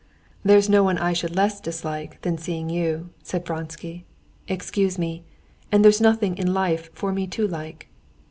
"There's no one I should less dislike seeing than you," said Vronsky. "Excuse me; and there's nothing in life for me to like."